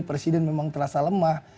presiden memang terasa lemah